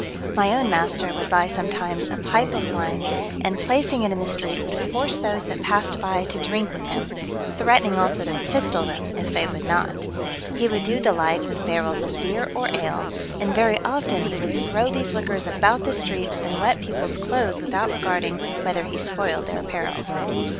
My own master would buy sometimes a pipe of wine, and, placing it in the street, would force those that passed by to drink with him, threatening also to pistol them if they would not. He would do the like with barrels of beer or ale; and very often he would throw these liquors about the streets, and wet peoples' clothes without regarding whether he spoiled their apparel.